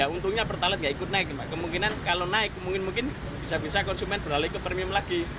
untungnya pertalite nggak ikut naik kemungkinan kalau naik mungkin mungkin bisa bisa konsumen beralih ke premium lagi